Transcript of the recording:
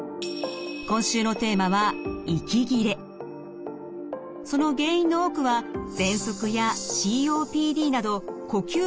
今週のテーマはその原因の多くはぜんそくやＣＯＰＤなど呼吸器の病気です。